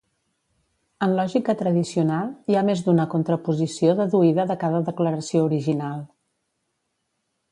En lògica tradicional, hi ha més d'una contraposició deduïda de cada declaració original.